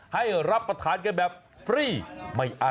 ให้รับประธานกันแบบฟรีไม่อั้นเลยครับ